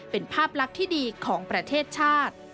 เป็นภาพลักษณ์ที่ดีของประเทศชาติ